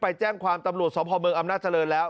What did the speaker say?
ไปแจ้งความตำรวจสพเมืองอำนาจริงแล้ว